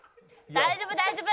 大丈夫大丈夫！